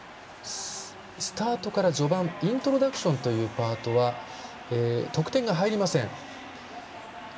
スタートから序盤イントロダクションというパート得点が入りません。